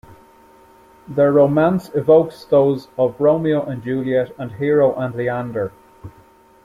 Their romance evokes those of Romeo and Juliet and Hero and Leander.